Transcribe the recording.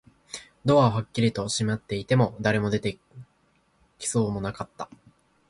ドアはきっちりと閉まっていて、誰も出てきそうもなかった